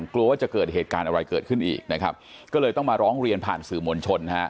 กลัวว่าจะเกิดเหตุการณ์อะไรเกิดขึ้นอีกนะครับก็เลยต้องมาร้องเรียนผ่านสื่อมวลชนนะฮะ